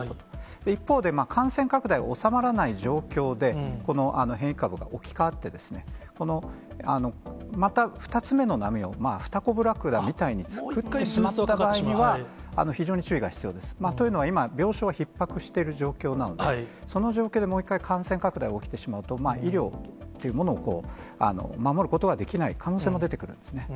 一方で、感染拡大が収まらない状況で、この変異株が置き換わって、また２つ目の波を、フタコブラクダみたいに作ってしまった場合には、非常に注意が必要です。というのも病床がひっ迫している状況なんで、その状況でもう一回、感染拡大が起きてしまうと、医療というものを守ることができない可能性が出てくるんですね。